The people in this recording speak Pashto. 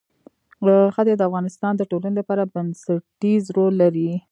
ښتې د افغانستان د ټولنې لپاره بنسټيز رول لري.